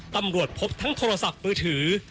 ตำรวจพบทั้งโทรศัพท์มือถือ